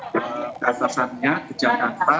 dan ke atasannya ke jakarta